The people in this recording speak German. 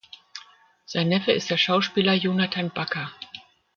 Sein Neffe ist der Schauspieler Jonathan Baker.